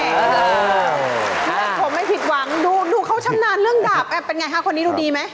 ไม่ผมไม่ผิดหวังดูเขาชำนาญเรื่องดาบเป็นไงคะคนนี้ดูดีไหม